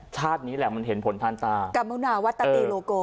ชาตินี้แหละมันเห็นผลท่านตากรรมนาวัตตาตีโลโก